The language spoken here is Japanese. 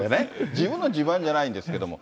自分の自慢じゃないんですけども。